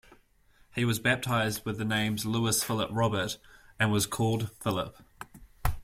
He was baptised with the names "Louis-Philippe-Robert", and was called Philippe.